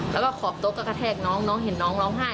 แล้วก็ขอบโต๊ะก็กระแทกน้องน้องเห็นน้องร้องไห้